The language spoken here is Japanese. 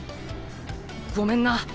ごめんな。